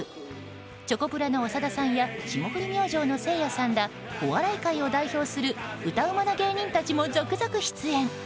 チョコプラの長田さんや霜降り明星のせいやさんらお笑い界を代表する歌ウマな芸人たちも続々出演。